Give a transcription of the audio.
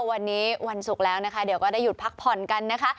วันนี้วันศุกร์แล้วนะคะเดี๋ยวก็ได้หยุดพักผ่อนกันนะคะ